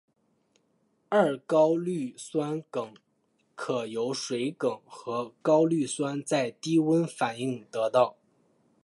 二高氯酸肼可由水合肼和高氯酸在低温反应得到。